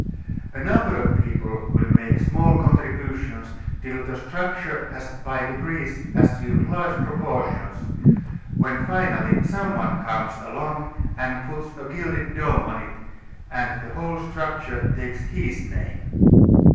A number of people will make small contributions till the structure has by degrees assumed large proportions, when finally some one comes along and puts a gilded dome on it and the whole structure takes his name.